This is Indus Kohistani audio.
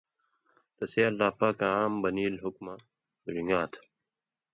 تسے اللہ پاکاں عام بنیل حُکمہ رِن٘گاں تھہۡ